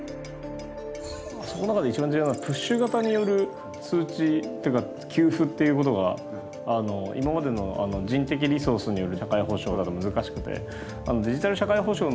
そこの中で一番重要なのがプッシュ型による通知というか給付っていうことが今までの人的リソースによる社会保障だと難しくて。